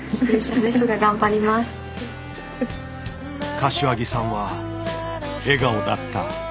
柏木さんは笑顔だった。